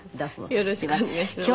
よろしくお願いします。